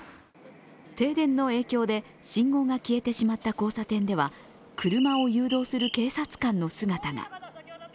停電の影響で信号が消えてしまった交差点では車を誘導する警察官の姿が。